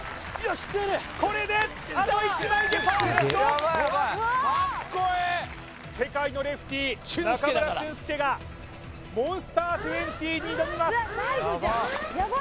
これであと１枚でパーフェクトうわっかっこええ世界のレフティー中村俊輔がモンスター２０に挑みます